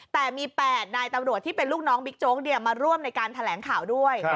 แต่มี๘นายตำรวจที่เป็นลูกน้องบิ๊กโจ๊กมาร่วมในการแถลงข่าวด้วย